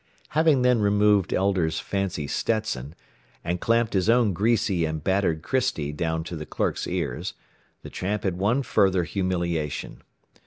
Having then removed Elder's fancy Stetson and clamped his own greasy and battered christy down to the clerk's ears, the tramp had one further humiliation.